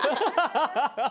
ハハハハハ！